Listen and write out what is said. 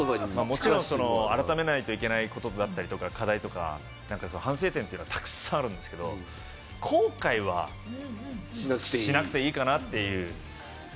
改めなきゃいけないこととか、課題とか、反省点というのはたくさんあるんですけれども、後悔はしなくていいかなという。